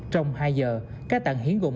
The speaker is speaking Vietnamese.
trong hai giờ các tạng hiến gồm